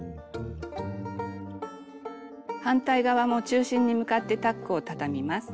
反対側も中心に向かってタックをたたみます。